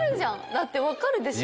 だってわかるでしょ？